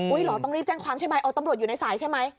เหรอต้องรีบแจ้งความใช่ไหมเอาตำรวจอยู่ในสายใช่ไหม